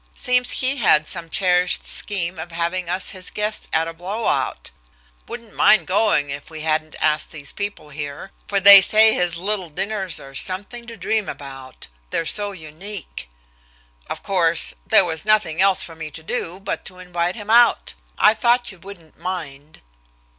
Seems he had some cherished scheme of having us his guests at a blowout. Wouldn't mind going if we hadn't asked these people here, for they say his little dinners are something to dream about, they're so unique. Of course, there was nothing else for me to do but to invite him out. I thought you wouldn't mind."